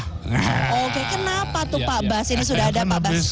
oke kenapa tuh pak bas ini sudah ada pak bas